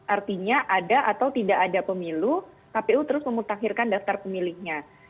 artinya ada atau tidak ada pemilu kpu terus memutakhirkan daftar pemilihnya